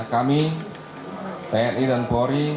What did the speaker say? kami tni dan polri